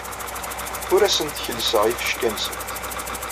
Ur asent-kellseɣ ifecka-nsent.